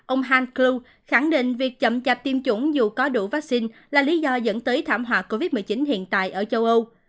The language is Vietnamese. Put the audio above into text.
ông hank kru khẳng định việc chậm chạp tiêm chủng dù có đủ vaccine là lý do dẫn tới thảm họa covid một mươi chín hiện tại ở châu âu